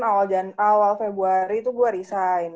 awal januari awal februari tuh gue resign